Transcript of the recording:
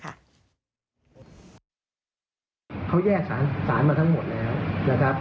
เขาแยกศาลมาทั้งหมดแล้ว